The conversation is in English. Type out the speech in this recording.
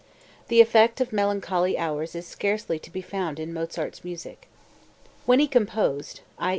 The effect of melancholy hours is scarcely to be found in Mozart's music. When he composed, i.